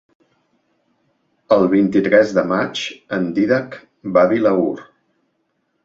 El vint-i-tres de maig en Dídac va a Vilaür.